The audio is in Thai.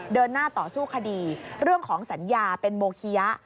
เดินหน้าต่อสู้คดีเรื่องของสัญญาเป็นโมคิยะ